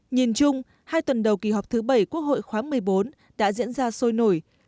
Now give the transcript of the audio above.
nhìn chung hai tuần đầu kỳ họp thứ bảy quốc hội khóa một mươi bốn đã diễn ra sôi nổi